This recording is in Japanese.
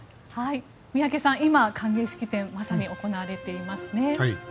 宮家さん、今、歓迎式典がまさに行われていますね。